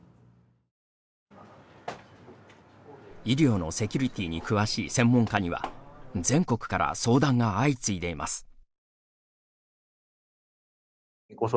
医療のセキュリティーに詳しい専門家には全国から相談が相次いでいます。